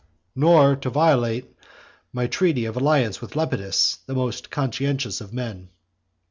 "Nor to violate my treaty of alliance with Lepidus, the most conscientious of men."